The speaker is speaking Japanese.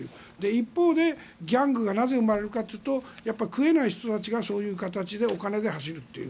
一方で、ギャングがなぜ生まれるかというと食えない人たちが、そういう形でお金に走るっていう。